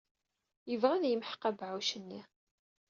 Yebɣa ad yemḥeq abeɛɛuc-nni.